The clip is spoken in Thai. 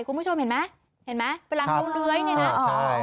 คุณผู้ชมเห็นไหมเห็นไหมเวลาเขาเลื้อยเนี่ยนะใช่